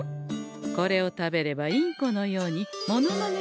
これを食べればインコのようにモノマネ